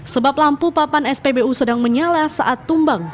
sebab lampu papan spbu sedang menyala saat tumbang